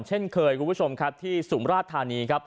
เช่นเคยที่ซุมราชธานี